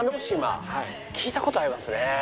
聞いた事ありますね。